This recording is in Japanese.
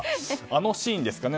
あのシーンですかね。